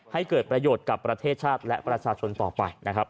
ให้เกิดประโยชน์กับประเทศชาติและประชาชนต่อไปนะครับ